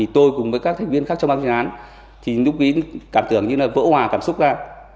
tôi cùng với các thành viên khác trong ban chuyên án thì lúc ý cảm tưởng như là vỡ hòa cảm xúc ra